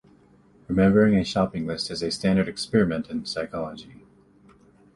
Remembering a shopping list is a standard experiment in psychology.